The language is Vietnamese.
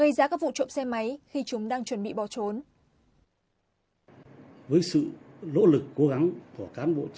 gây ra các vụ trộm xe máy khi chúng đang chuẩn bị bỏ trốn